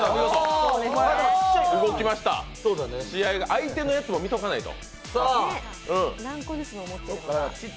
相手のやつも見ておかないと。